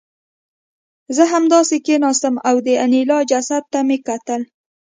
زه همداسې کېناستم او د انیلا جسد ته مې کتل